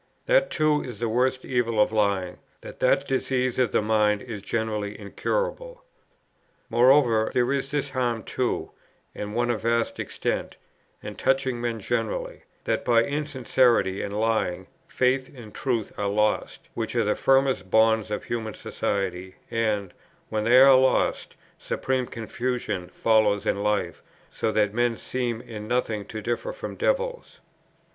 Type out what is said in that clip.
That too is the worst evil of lying, that that disease of the mind is generally incurable. "Moreover, there is this harm too, and one of vast extent, and touching men generally, that by insincerity and lying faith and truth are lost, which are the firmest bonds of human society, and, when they are lost, supreme confusion follows in life, so that men seem in nothing to differ from devils.